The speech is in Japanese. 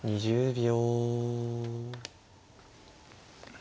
２０秒。